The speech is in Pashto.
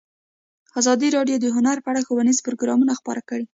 ازادي راډیو د هنر په اړه ښوونیز پروګرامونه خپاره کړي.